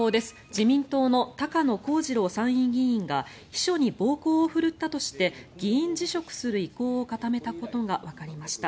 自民党の高野光二郎参議院議員が秘書に暴行を振るったとして議員辞職する意向を固めたことがわかりました。